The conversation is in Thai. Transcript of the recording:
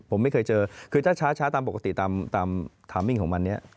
ผมไม่เคยเจอช้าถามแบบปกติตามทำมิ่งของมันนี้